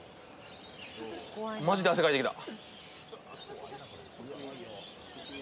マジで汗かいてきた。